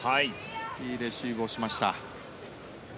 いいレシーブをしました。